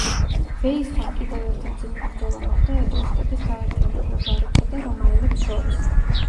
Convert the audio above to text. ვეისთან კიდევ ერთი მძიმე ბრძოლა მოხდა ეტრუსკების გაერთიანებულ ჯარებსა და რომაელებს შორის.